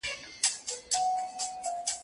د سوځېدلو قلاګانو او ښارونو کوي